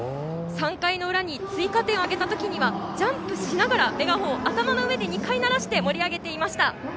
３回の裏に追加点を挙げた時にはジャンプしながらメガホンを頭の上で２回鳴らして盛り上げていました。